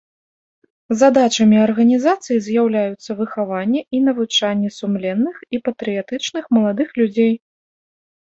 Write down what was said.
Задачамі арганізацыі з'яўляюцца выхаванне і навучанне сумленных і патрыятычных маладых людзей.